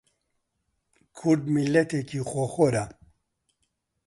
کورد میللەتێکی خۆخۆرە